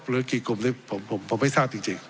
หรือกี่กลุ่มนี้ผมไม่ทราบจริง